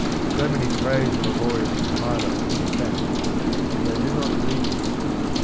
So many p raise the laborious compiler of mere facts, but they do not rea d him.